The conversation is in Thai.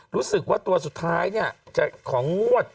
รู้สึกว่าตัวสุดท้ายเนี่ยจะของวัด